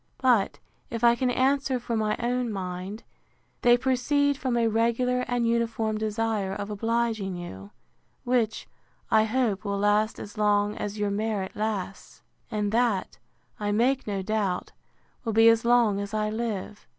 But, if I can answer for my own mind, they proceed from a regular and uniform desire of obliging you: which, I hope, will last as long as your merit lasts; and that, I make no doubt, will be as long as I live.